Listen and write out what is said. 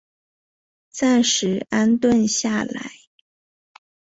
暂时安顿下来